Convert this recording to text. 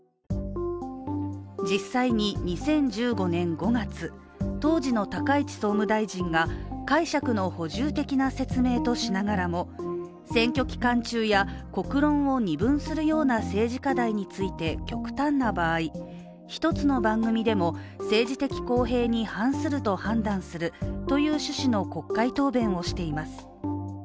実際に２０１５年５月、当時の高市総務大臣が解釈の補充的な説明としながらも選挙期間中や国論を二分するような政治課題について極端な場合、一つの番組でも政治的公平に反すると判断するという趣旨の国会答弁をしています。